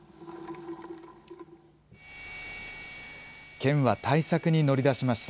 県は対策に乗り出しました。